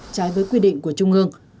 trái với quy định của trung ương